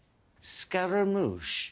「スカラムーシュ」？